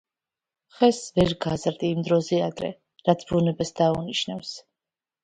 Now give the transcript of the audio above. „ხეს ვერ გაზრდი იმ დროზე ადრე, რაც ბუნებას დაუნიშნავს.“